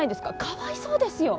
かわいそうですよ。